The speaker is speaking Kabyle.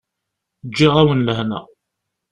Ǧǧiɣ-awen lehna.